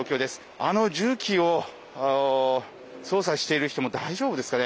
あの重機を操作している人も大丈夫ですかね。